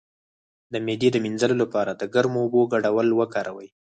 د معدې د مینځلو لپاره د ګرمو اوبو ګډول وکاروئ